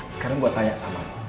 sekarang gue tanya sama lo